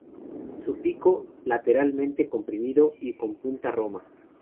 Su pico, lateralmente comprimido y con punta roma.